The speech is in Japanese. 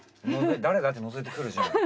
「誰だ？」ってのぞいてくるじゃん。